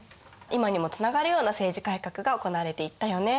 今にもつながるような政治改革が行われていったよね。